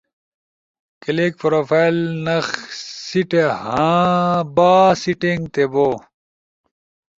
کلک پروفائل نخ سیٹھے باں سیٹینگ تے بوں